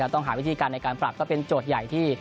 ต้องหาวิธีการในการปรับก็เป็นโจทย์ใหญ่ที่